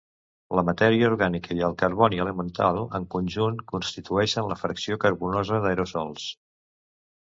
La matèria orgànica i el carboni elemental en conjunt constitueixen la fracció carbonosa d'aerosols.